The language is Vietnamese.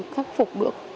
khắc phục được